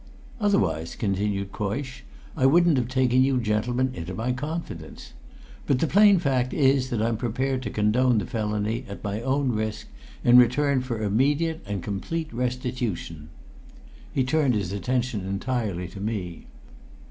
"Otherwise," continued Coysh, "I wouldn't have taken you gentlemen into my confidence. But the plain fact is that I'm prepared to condone the felony at my own risk in return for immediate and complete restitution." He turned his attention entirely to me.